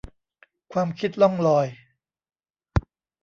ความคิดล่องลอย